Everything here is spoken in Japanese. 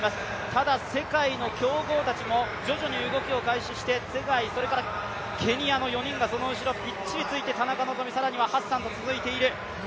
ただ、世界の強豪たちも徐々に動きを開始してツェガイ、ケニアの４人がその後ろぴっちりついて更にはハッサンと続いている。